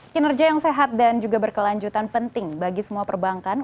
kinerja yang sehat dan juga berkelanjutan penting bagi semua perbankan